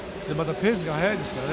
ペースが速いですからね。